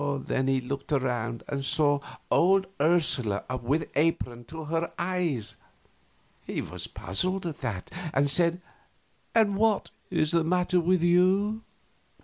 Then he looked around and saw old Ursula with her apron to her eyes. He was puzzled at that, and said, "And what is the matter with you?"